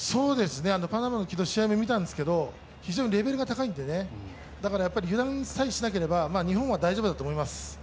パナマの試合も昨日見たんですけど、非常にレベルが高いのでだからやっぱり油断さえしなければ日本は大丈夫だと思います。